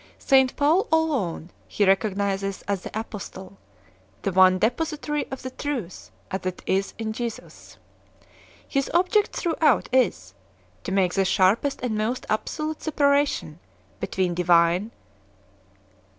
ISt Paul alone he recognises as "the Apostle," the one depositary of the truth as it is in Jesus. His object throughout is, to make the sharpest and most absolute separation between Divine i.e.